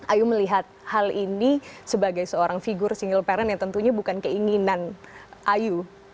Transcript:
ayu melihat hal ini sebagai seorang figur single parent yang tentunya bukan keinginan ayu